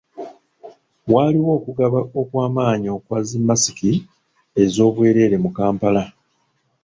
Waaliwo okugaba okw'amaanyi okwa zi masiki ez'obwereere mu kampala.